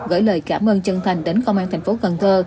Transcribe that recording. gửi lời cảm ơn chân thành đến công an tp cn